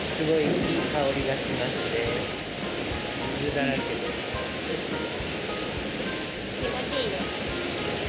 気持ちいいです。